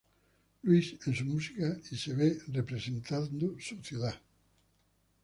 Louis en su música, y se ve representando su ciudad.